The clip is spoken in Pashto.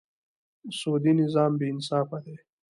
سودي نظام بېانصافه دی.